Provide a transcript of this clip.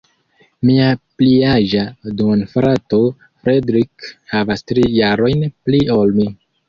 Mia pliaĝa duonfrato, Fredrik, havas tri jarojn pli ol mi.